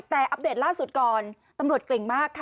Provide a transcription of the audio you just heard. แต่อัปเดตล่าสุดก่อนตำรวจเก่งมากค่ะ